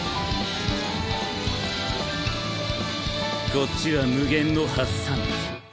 こっちは「無限」の発散。